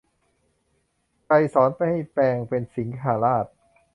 ไกรสรให้แปลงเป็นสิงหราช